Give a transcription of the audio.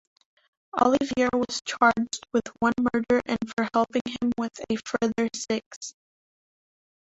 Olivier was charged with one murder and for helping him with a further six.